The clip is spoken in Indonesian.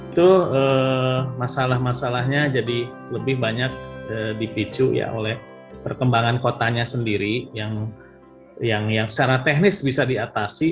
itu masalah masalahnya jadi lebih banyak dipicu ya oleh perkembangan kotanya sendiri yang secara teknis bisa diatasi